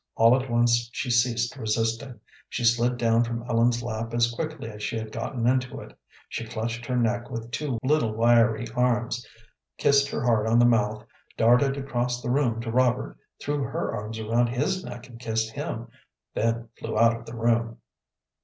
All at once she ceased resisting. She slid down from Ellen's lap as quickly as she had gotten into it. She clutched her neck with two little wiry arms, kissed her hard on the mouth, darted across the room to Robert, threw her arms around his neck and kissed him, then flew out of the room.